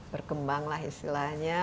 berkembang lah istilahnya